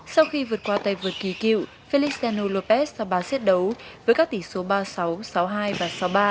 sau khi vượt qua tay vượt kỳ cựu feliciano lopez sau ba xét đấu với các tỷ số ba sáu sáu hai và sáu ba